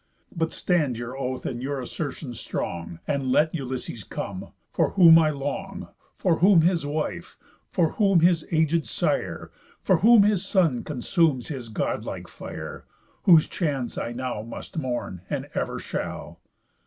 But stand your oath in your assertion strong, And let Ulysses come, for whom I long, For whom his wife, for whom his agéd sire, For whom his son consumes his god like fire, Whose chance I now must mourn, and ever shall.